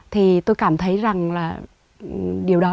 thì tôi cảm thấy rằng là điều đó